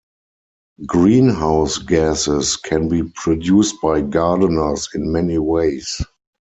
Greenhouse gases can be produced by gardeners in many ways.